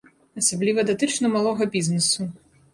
Асабліва датычна малога бізнесу.